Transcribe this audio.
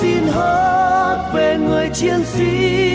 tôi xin hát về người chiến sĩ